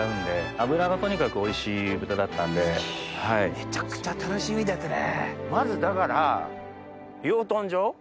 めちゃくちゃ楽しみですね。